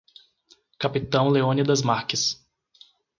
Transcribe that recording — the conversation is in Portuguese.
Capitão Leônidas Marques